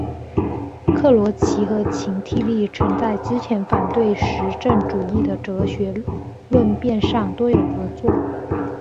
克罗齐和秦梯利曾在之前反对实证主义的哲学论辩上多有合作。